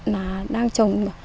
là đang trồng